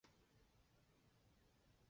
首府阿贝歇。